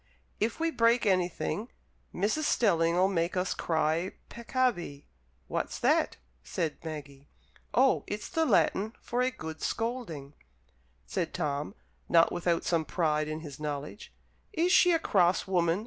If we break anything, Mrs. Stelling'll make us cry peccavi." "What's that?" said Maggie. "Oh, it's the Latin for a good scolding," said Tom, not without some pride in his knowledge. "Is she a cross woman?"